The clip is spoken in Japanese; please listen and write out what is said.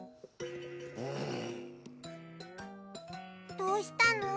どうしたの？